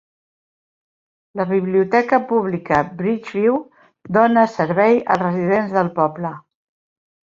La Biblioteca pública Bridgeview dóna servei als residents del poble.